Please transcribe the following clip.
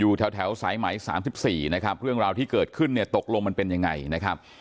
อยู่แถวสายไหม๓๔นะครับเรื่องราวที่เกิดขึ้นเนี่ยตกลงมันเป็นยังไงนะครับ